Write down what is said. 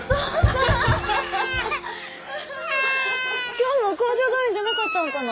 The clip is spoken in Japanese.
今日も工場動員じゃなかったんかな？